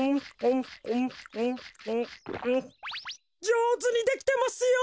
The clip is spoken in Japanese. じょうずにできてますよ！